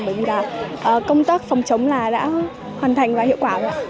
bởi vì là công tác phòng chống là đã hoàn thành và hiệu quả